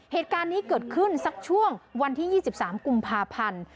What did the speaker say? เหตุการณ์นี้เกิดขึ้นสักช่วงวันที่๒๓กุมภาพันธ์